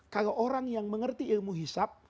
kalau orang yang mengerti ilmu hisap